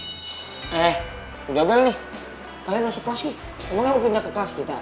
eh udah bel nih kalian masuk kelas nih lo gak mau pindah ke kelas kita